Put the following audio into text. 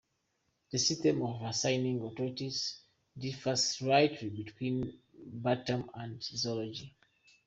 The system for assigning authorities differs slightly between botany and zoology.